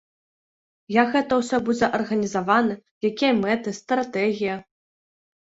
Як гэта ўсё будзе арганізавана, якія мэты, стратэгія.